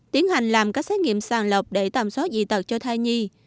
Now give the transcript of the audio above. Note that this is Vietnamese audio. tiến hành làm các xét nghiệm sàng lọc để tầm soát dị tật cho thai nhi